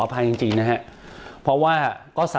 เพราะว่าก็สับสนเพราะว่า